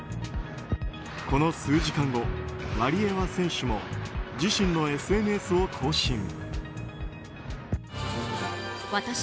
この数時間後、ワリエワ選手も自身のＳＮＳを更新。